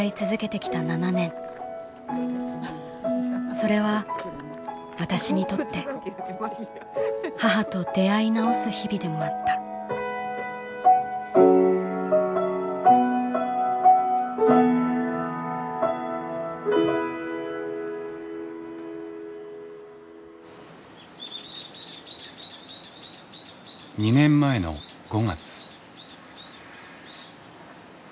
それは私にとって母と出会い直す日々でもあった」。２年前の５月。